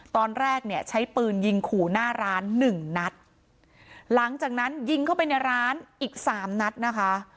ตอนแรกเนี่ยใช้ปืนยิงขู่หน้าร้านหนึ่งนัดหลังจากนั้นยิงเข้าไปในร้านอีกสามนัดนะคะ